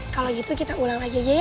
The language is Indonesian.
kalau gitu kita ulang aja ya